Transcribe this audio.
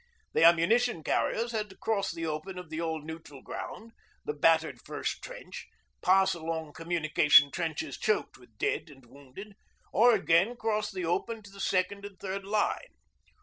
The ammunition carriers had to cross the open of the old neutral ground, the battered first trench, pass along communication trenches choked with dead and wounded, or again cross the open to the second and third line.